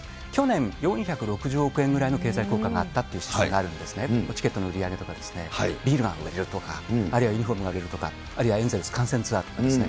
去年、４６０億円ぐらいの経済効果があったという指針があるんですね、チケットの売り上げとかですね、ビールが売れるとか、あるいはユニホームが売れるとか、あるいは観戦ツアーとかですね。